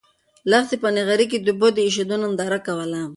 لښتې په نغري کې د اوبو د اېشېدو ننداره کوله.